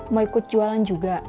mau ikut jualan juga